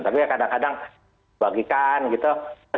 tapi ya kadang kadang dibagikan gitu